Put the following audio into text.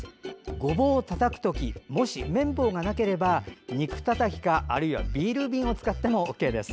ごぼうをたたく時もし麺棒がなければ肉たたきか、あるいはビール瓶を使ってもＯＫです。